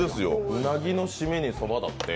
うなぎの締めにそばだって。